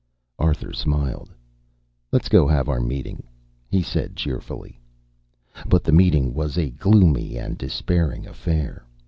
Arthur smiled. "Let's go and have our meeting," he said cheerfully. But the meeting was a gloomy and despairing affair.